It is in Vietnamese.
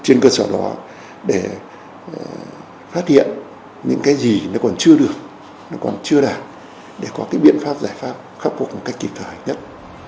trên cơ sở đó để phát hiện những cái gì nó còn chưa được nó còn chưa đạt để có cái biện pháp giải pháp khắc phục một cách kịp thời nhất